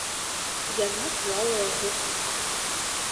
Яна клала яго спаць.